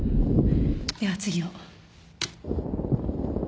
では次を。